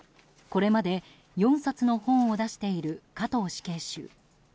これまで４冊の本を出している加藤死刑囚。